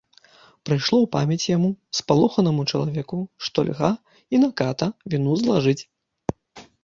Прыйшло у памяць яму, спалоханаму чалавеку, што льга і на ката віну злажыць.